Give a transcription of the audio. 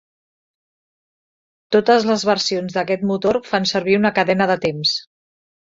Totes les versions d'aquest motor fan servir una cadena de temps.